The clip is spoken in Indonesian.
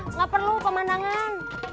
nggak perlu pemandangan